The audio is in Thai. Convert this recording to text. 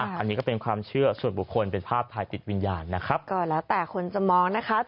อันนี้ก็เป็นความเชื่อส่วนบุคคลเป็นภาพถ่ายติดวิญญาณนะครับก็แล้วแต่คนจะมองนะคะ